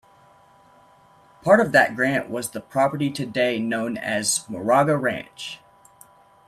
Part of that grant was the property today known as Moraga Ranch.